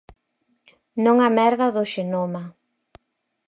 Non a merda do xenoma...